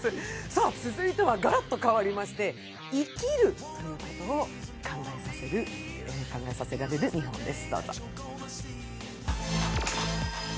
続いてはガラッと変わりまして、「生きる」を考えさせられる２本です。